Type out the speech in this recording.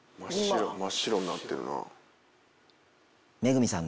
真っ白になってるな。